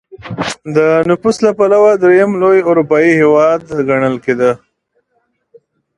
د نفوس له پلوه درېیم لوی اروپايي هېواد ګڼل کېده.